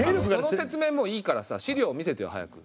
その説明もういいからさ資料見せてよ早く。